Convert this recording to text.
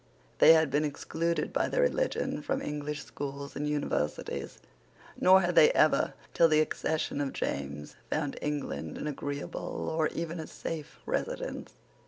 They had been excluded by their religion from English schools and universities; nor had they ever, till the accession of James, found England an agreeable, or even a safe, residence.